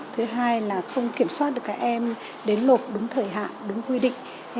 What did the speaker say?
thứ hai là không kiểm soát được các em đến nộp đúng thời hạn đúng quy định